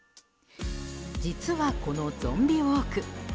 実はこのゾンビウォーク